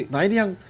nah ini yang